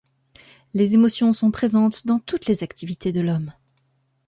Les émotions sont présentes dans toutes les activités de l’homme.